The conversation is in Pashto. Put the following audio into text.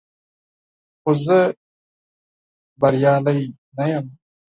خو زه کامیاب نه یم .